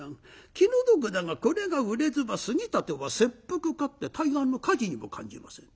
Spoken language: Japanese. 「気の毒だがこれが売れずば杉立は切腹か」って「対岸の火事」にも感じません。